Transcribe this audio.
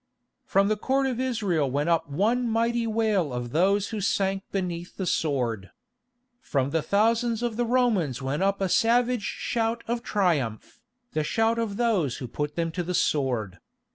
From the Court of Israel went up one mighty wail of those who sank beneath the sword. From the thousands of the Romans went up a savage shout of triumph, the shout of those who put them to the sword.